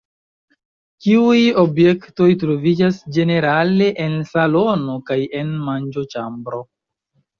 Kiuj objektoj troviĝas ĝenerale en salono kaj en manĝoĉambro?